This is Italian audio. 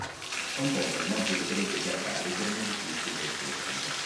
Compose molti libretti teatrali per musicisti del suo tempo.